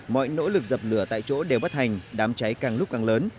mọi nỗ lực dập lửa tại chỗ đều bắt hành đám cháy càng lúc càng lớn